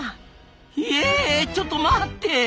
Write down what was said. ひえちょっと待って！